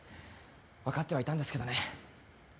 わかってはいたんですけどね。